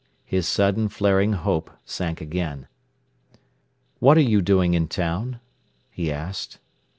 His sudden, flaring hope sank again. "What are you doing in town?" he asked.